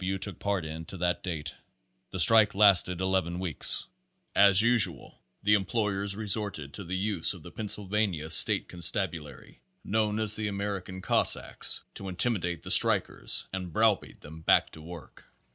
W. took part in to that date. The strike lasted eleven weeks. As usual, the employers resorted to the use of the Pennsyl vania State Constabulary, known as the American Cos sacks, to intimidate the strikers and browbeat them back to work.